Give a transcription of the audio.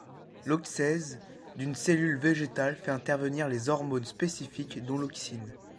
L'auxèse d'une cellule végétale fait intervenir des hormones spécifiques dont l'auxine.